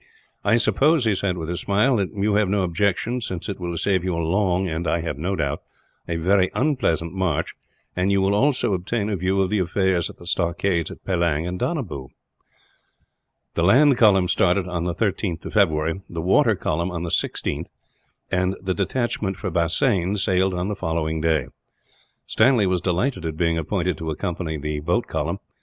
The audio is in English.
"I suppose," he said, with a smile, "that you have no objection, since it will save you a long and, I have no doubt, a very unpleasant march; and you will also obtain a view of the affairs at the stockades at Pellang and Donabew." The land column started on the 13th of February, the water column on the 16th, and the detachment for Bassein sailed on the following day. Stanley was delighted at being appointed to accompany the boat column.